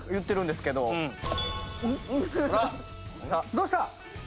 どうした？